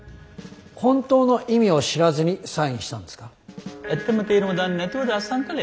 本当の意味を知らずにサインしたんですか？